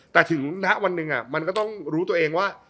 แต่ถึงณวันหนึ่งมันก็ต้องรู้ตัวเองว่า